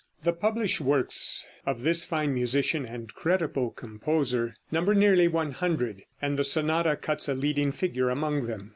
The published works of this fine musician and creditable composer number nearly 100, and the sonata cuts a leading figure among them.